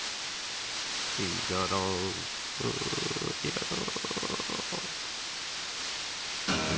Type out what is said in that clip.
ピロローピロロー。